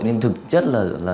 nhưng thực chất là giả mạo